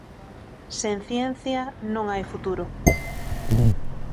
Sen ciencia, non hai futuro.